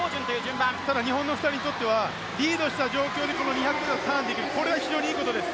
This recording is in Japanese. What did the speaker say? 日本の２人にとってはリードした状態で２００のターンできる、これは大きいです。